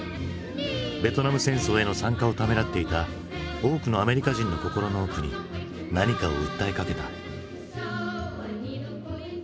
ベトナム戦争への参加をためらっていた多くのアメリカ人の心の奥に何かを訴えかけた。